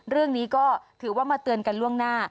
เรื่องนี้ก็ถือว่ามาเตือนกันล่วงหน้า